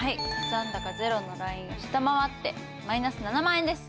残高ゼロのラインを下回ってマイナス７万円です。